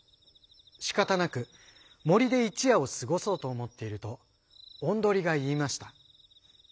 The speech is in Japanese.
しかたなく森で一夜を過ごそうと思っているとおんどりが言いました。